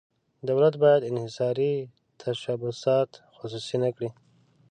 دولت باید انحصاري تشبثات خصوصي نه کړي.